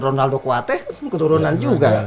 ronaldo kuateh keturunan juga